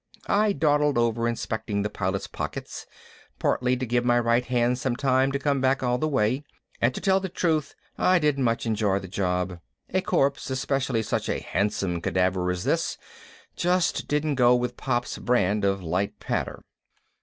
I dawdled over inspecting the Pilot's pockets, partly to give my right hand time to come back all the way. And to tell the truth I didn't much enjoy the job a corpse, especially such a handsome cadaver as this, just didn't go with Pop's brand of light patter.